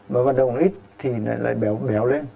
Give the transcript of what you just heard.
mà vận động ít thì lại béo lên